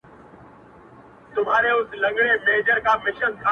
• باک مي نسته بیا که زه هم غرغړه سم ,